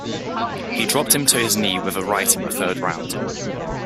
He dropped him to his knee with a right in the third round.